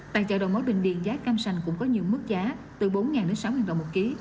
tại chợ đầu mối bình điền giá cam sành cũng có nhiều mức giá từ bốn đến sáu đồng một ký